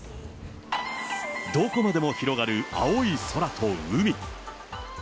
どこまでも広がる青い空と海。